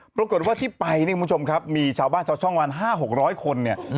ปรากฏว่าที่ไปเนี่ยคุณผู้ชมครับมีชาวบ้านชาวช่องวัน๕๖๐๐คนเนี่ย